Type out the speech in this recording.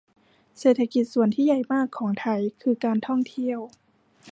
เศรษฐกิจส่วนที่ใหญ่มากของไทย คือการท่องเที่ยว